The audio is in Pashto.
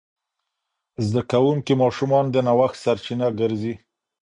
زده کوونکي ماشومان د نوښت سرچینه ګرځي.